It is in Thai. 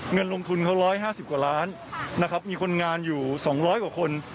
เงินลงทุนเขา๑๕๐กว่าล้านนะครับมีคนงานอยู่๒๐๐กว่าคน